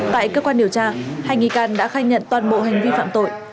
tại cơ quan điều tra hai nghi can đã khai nhận toàn bộ hành vi phạm tội